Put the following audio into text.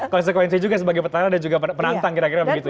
konsekuensi juga sebagai petahana dan juga penantang kira kira begitu ya